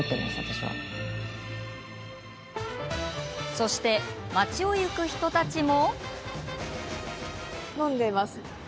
そして、町を行く人たちも。